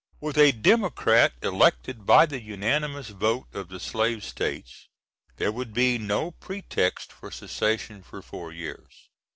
"With a Democrat elected by the unanimous vote of the Slave States, there would be no pretext for secession for four years.